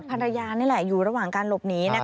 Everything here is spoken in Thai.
ภรรยานี่แหละอยู่ระหว่างการหลบหนี